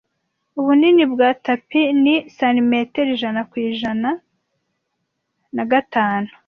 Ubunini bwa tapi ni santimetero ijana kuri ijana na gatanu.